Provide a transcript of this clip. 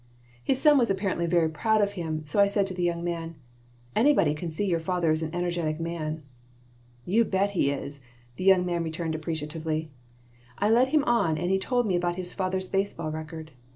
His son was apparently very proud of him, so I said to the young man: "Anybody can see your father is an energetic man." "You bet he is," the young man returned, appreciatively. I led him on and he told me about his father's baseball record.